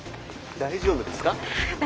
大丈夫です。